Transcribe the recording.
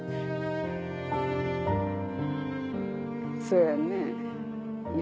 そうやね。